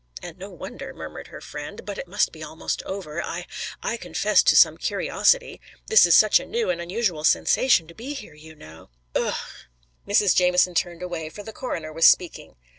"And no wonder," murmured her friend. "But it must be almost over. I I confess to some curiosity. This is such a new and unusual sensation, to be here, you know." "Ugh!" Mrs. Jamieson turned away, for the coroner was speaking.